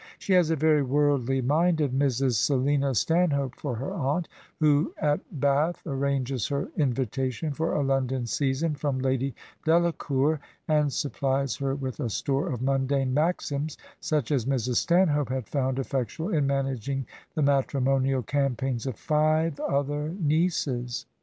She has a very worldly minded Mrs. Selina Stanhope for her aunt, who at Bath ar ranges her invitation for a London season from Lady Ddacour, and supplies her with a store of mundane maxims, such as Mrs. Stanhope had found effectual in managing the matrimonial campaigns of five other nieces.